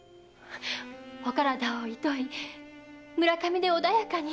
お体を厭い村上で穏やかに。